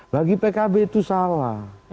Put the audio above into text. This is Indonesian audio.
bagi pkb itu salah